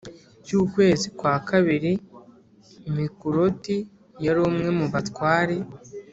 cy ukwezi kwa kabiri Mikuloti yari umwe mu batware